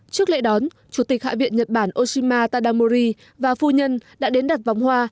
trước lễ đón chủ tịch hạ viện nhật bản oshima tadamuri và phu nhân đã đến đặt vòng hoa